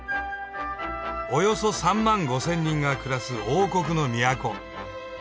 およそ３万５，０００人が暮らす王国の都。